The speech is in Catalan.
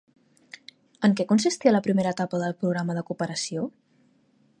En què consistia la primera etapa del programa de cooperació?